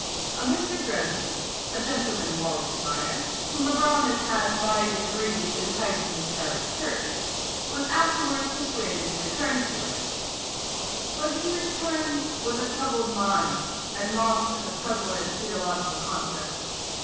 A Mr. Greswold, a gentleman of Warwickshire, whom a Brownist had by degrees enticed from his parish church, was afterwards persuaded to return to it but he returned with a troubled mind, and lost in the prevalent theological contests.